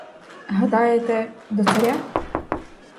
Гадаєте — до царя?